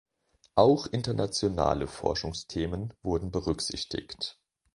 Auch internationale Forschungsthemen wurden berücksichtigt.